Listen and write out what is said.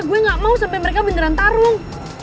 gue gak mau sampe mereka beneran tarung